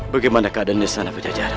bagaimana keadaan di sana pejajaran